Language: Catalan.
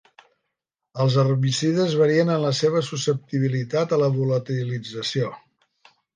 Els herbicides varien en la seva susceptibilitat a la volatilització.